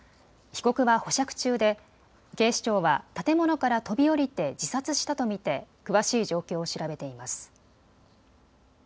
被告は保釈中で警視庁は建物から飛び降りて自殺したと見て詳しい状況を調べています。